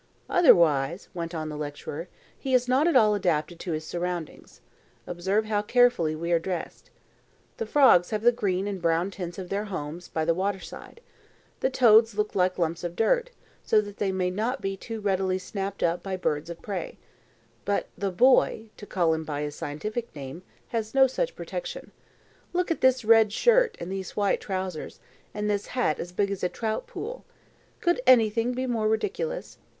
"Otherwise," went on the lecturer, "he is not at all adapted to his surroundings. Observe how carefully we are dressed. The frogs have the green and brown tints of their homes by the water side. The toads look like lumps of dirt, so that they may not be too readily snapped up by birds of prey. But the Boy to call him by his scientific name has no such protection. Look at this red shirt and these white trousers, and this hat as big as a trout pool! Could anything be more ridiculous?